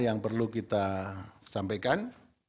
yang perlu kita sampaikan